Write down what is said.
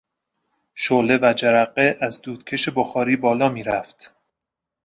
شعله و جرقه از دودکش بخاری بالا میرفت.